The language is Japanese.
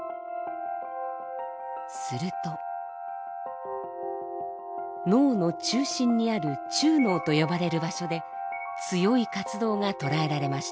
すると脳の中心にある中脳と呼ばれる場所で強い活動が捉えられました。